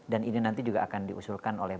dan ini nanti juga akan diusulkan oleh